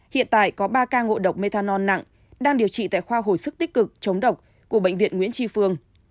hiện tại có ba ca ngộ độc methanol nặng đang điều trị tại khoa hồi sức tích cực chống độc của bệnh viện nguyễn tri phương